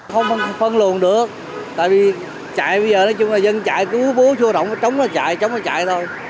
không phân luồn được tại vì chạy bây giờ nói chung là dân chạy cứ bố chua động chống nó chạy chống nó chạy thôi